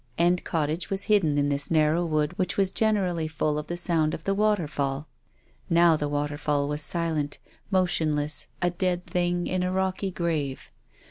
End Cottage was hidden in this narrow wood which was gen erally full of the sound of the waterfall. Now the waterfall was silent, motionless, a dead thing in a rocky grave.